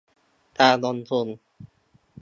การลงทุน